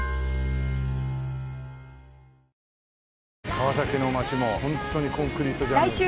川崎の街もホントにコンクリートジャングルだね。